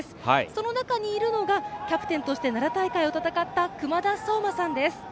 その中にいるのがキャプテンとして奈良大会を戦った熊田颯馬さんです。